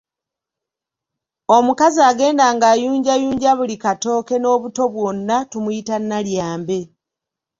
Omukazi agenda ng'ayunjayunja buli katooke n’obuto bwonna tumuyita Nalyambe.